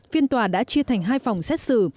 phiên tòa đã chia thành hai phòng xét xử